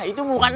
itu bukan enam